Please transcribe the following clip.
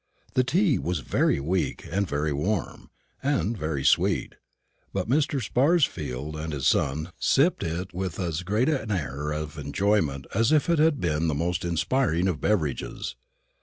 The tea was very weak, and very warm, and very sweet; but Mr. Sparsfield and his son sipped it with as great an air of enjoyment as if it had been the most inspiring of beverages.